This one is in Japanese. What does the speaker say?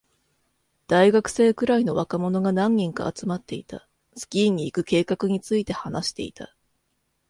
大学生くらいの若者が何人か集まっていた。スキーに行く計画について話していた。